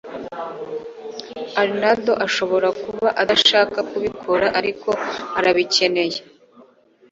Arnaud ashobora kuba adashaka kubikora, ariko arabikeneye.